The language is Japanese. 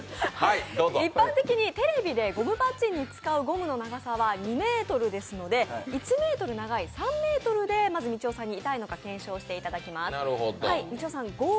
一般的にテレビでゴムパッチンに使うゴムの長さは２ｍですので、１ｍ長い３ｍで、まず、みちおさんに痛いのか検証していただきます。